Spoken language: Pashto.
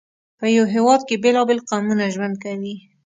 په یو هېواد کې بېلابېل قومونه ژوند کوي.